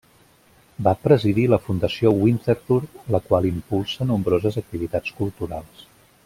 Va presidir la Fundació Winterthur, la qual impulsa nombroses activitats culturals.